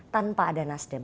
tanpa ada nasdem